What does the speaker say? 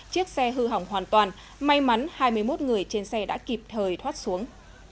chiếc xe hư hỏng hoàn toàn may mắn hai mươi một người trên xe đã kịp thời thoát xuống